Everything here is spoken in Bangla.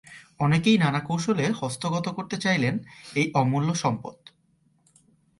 অনেকেই নানা কৌশলে হস্তগত করতে চাইলেন এই অমূল্য সম্পদ।